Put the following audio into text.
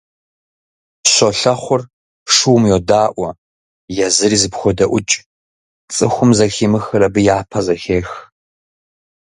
Щолэхъур шум йодаӀуэ, езыри зэпходэӏукӏ; цӀыхум зэхимыхыр абы япэ зэхех.